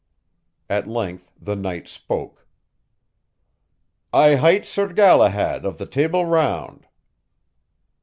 At length the knight spoke: "I hight Sir Galahad of the Table Round."